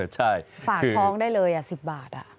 ใช่ฝากท้องได้เลย๑๐บาท